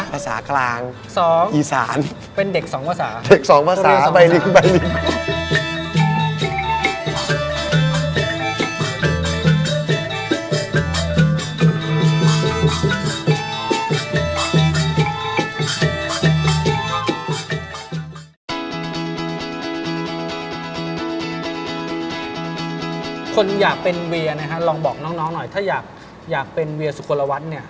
ภาษากลางอีสาเป็นเด็กสองภาษา